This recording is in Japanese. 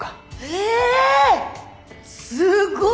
え！